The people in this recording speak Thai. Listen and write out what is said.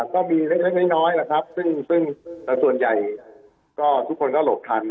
ก็มีเล็กน้อยส่วนใหญ่ทุกคนก็หลบทัน